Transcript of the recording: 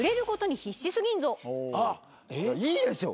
いいでしょ。